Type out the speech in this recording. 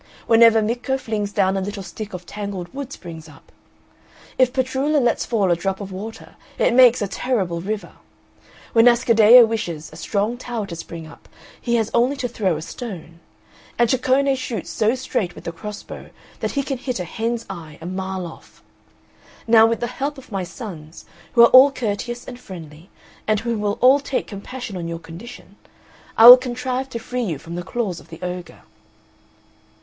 Whenever Micco flings down a little stick a tangled wood springs up. If Petrullo lets fall a drop of water it makes a terrible river. When Ascaddeo wishes a strong tower to spring up he has only to throw a stone; and Ceccone shoots so straight with the cross bow that he can hit a hen's eye a mile off. Now with the help of my sons, who are all courteous and friendly, and who will all take compassion on your condition, I will contrive to free you from the claws of the ogre."